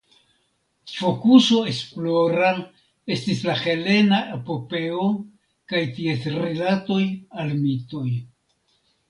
Fokuso esplora estis la helena epopeo kaj ties rilatoj al mitoj.